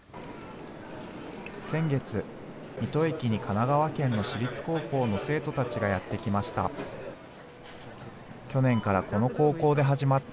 先月、水戸駅に神奈川県の私立高校の生徒たちがやって来ました。